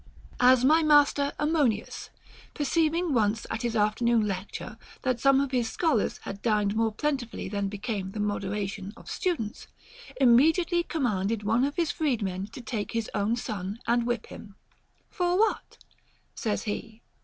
As my master Ammonius, perceiving once at his after noon lecture that some of his scholars had dined more plentifully than became the moderation of students, imme diately commanded one of his freedmen to take his own son and whip him. For what? says he.